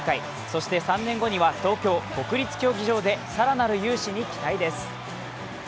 そして３年後には東京・国立競技場で更なる雄姿に期待です。